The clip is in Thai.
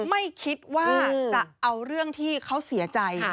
ไม่คิดว่าจะเอาเรื่องที่เขาเสียใจ